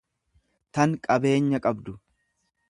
tan qabeenya qabdu.